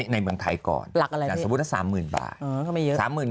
ในเมืองไทยก่อนสมมุติว่า๓๐๐๐๐บาท